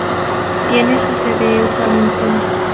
Tiene su sede en Farmington.